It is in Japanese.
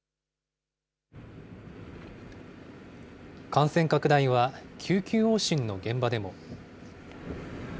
感染拡大は救急往診の現場でも。